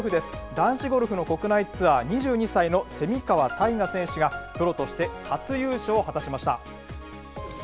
男子ゴルフの国内ツアー、２２歳の蝉川泰果選手が、プロとして初優勝を果たしました。